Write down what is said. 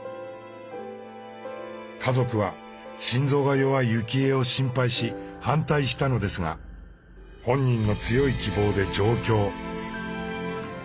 家族は心臓が弱い幸恵を心配し反対したのですが本人の強い希望で上京。